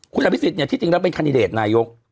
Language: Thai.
คุณอภิสิทธิ์เนี่ยที่จริงแล้วเป็นคันดิเดตนายก